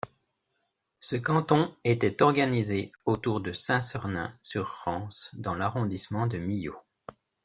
Ce canton était organisé autour de Saint-Sernin-sur-Rance dans l'arrondissement de Millau.